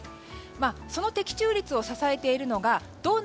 その的中率を支えているのが道内